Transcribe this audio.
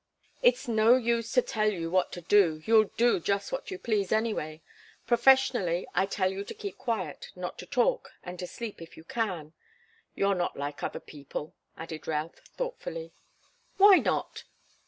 "It's no use to tell you what to do. You'll do just what you please, anyway. Professionally, I tell you to keep quiet, not to talk, and to sleep if you can. You're not like other people," added Routh, thoughtfully. "Why not?"